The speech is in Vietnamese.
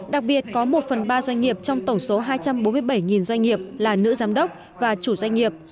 đặc biệt có một phần ba doanh nghiệp trong tổng số hai trăm bốn mươi bảy doanh nghiệp là nữ giám đốc và chủ doanh nghiệp